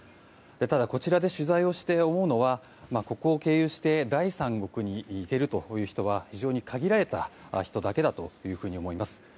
ただ、こちらで取材をして思うのはここを経由して第三国に行けるという人は非常に限られた人だけだと思います。